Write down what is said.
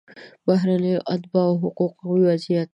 د بهرنیو اتباعو حقوقي وضعیت